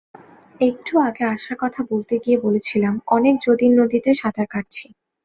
একটু আগে আশার কথা বলতে গিয়ে বলেছিলাম, অনেক যদির নদীতে সাঁতার কাটছি।